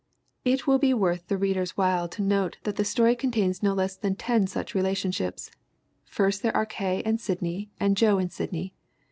It will be worth the reader's while to note that the story contains no less than ten such relationships. First there are K. and Sidney and Joe and Sidney.